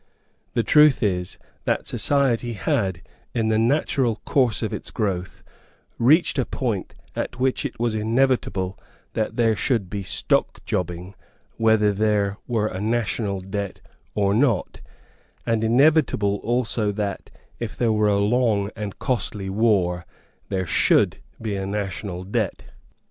The truth is that society had, in the natural course of its growth, reached a point at which it was inevitable that there should be stockjobbing whether there were a national debt or not, and inevitable also that, if there were a long and costly war, there should be a national debt.